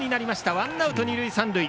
ワンアウト、二塁三塁。